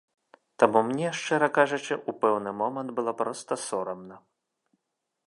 Таму мне, шчыра кажучы, у пэўны момант было проста сорамна.